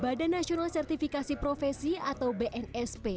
badan nasional sertifikasi profesi atau bnsp